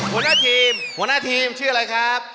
หมอหน้าทีมชื่ออะไรครับ